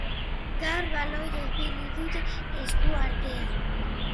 Gaur baloia ibili dute esku artean.